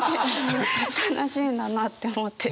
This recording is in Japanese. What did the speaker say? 悲しいんだなって思って。